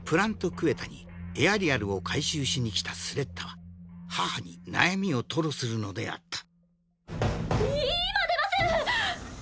・クエタにエアリアルを回収しに来たスレッタは母に悩みを吐露するのであった・ドンドン！